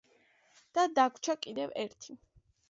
და დაგვრჩა კიდევ ერთი.